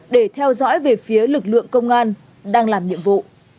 để theo dõi về phía lực lượng công an đang làm nhiệm vụ